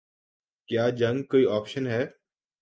کیا جنگ کوئی آپشن ہے؟